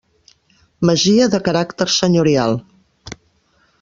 Masia de caràcter senyorial.